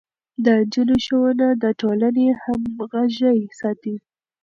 د نجونو ښوونه د ټولنې همغږي ساتي.